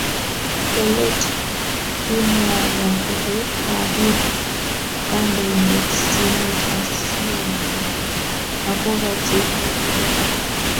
Kolet, kimwowo kole kapir kandoindet simet asiomwochi akopa chekikiker